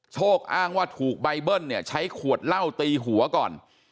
โชคอ้างว่าถูกใบเบิ้ลเนี่ยใช้ขวดเหล้าตีหัวก่อน